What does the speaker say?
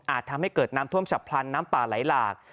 ทำให้เกิดน้ำท่วมฉับพลันน้ำป่าไหลหลาก